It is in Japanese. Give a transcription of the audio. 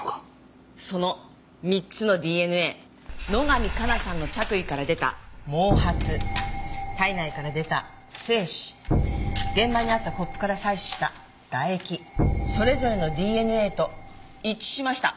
その３つのＤＮＡ野上加奈さんの着衣から出た毛髪体内から出た精子現場にあったコップから採取した唾液それぞれのＤＮＡと一致しました。